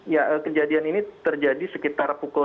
ya kejadian ini terjadi sekitar pukul